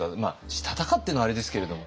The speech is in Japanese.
したたかっていうのはあれですけれども。